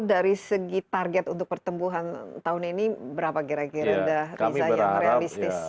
dari segi target untuk pertumbuhan tahun ini berapa kira kira udah risa yang realistis